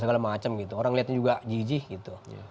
segala macam gitu orang liatnya juga jijih gitu